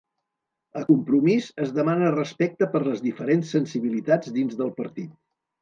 A Compromís es demana respecte per les diferents sensibilitats dins del partit